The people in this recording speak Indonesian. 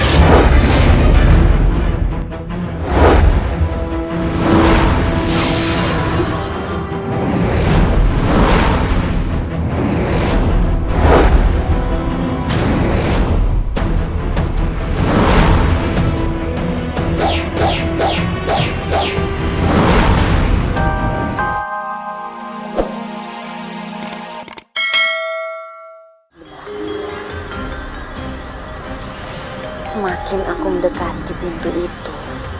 semakin aku mendekati pintu itu